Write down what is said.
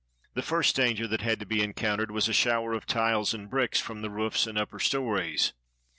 The first danger that had to be encountered was a shower of tiles and bricks from the roofs and upper stories.